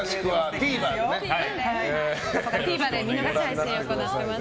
ＴＶｅｒで見逃し配信を行っています。